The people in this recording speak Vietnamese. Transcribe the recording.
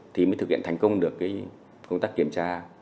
thì mới thực hiện thành công được cái công tác kiểm tra